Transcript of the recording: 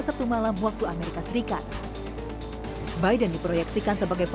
saatnya untuk membuang rederik yang keras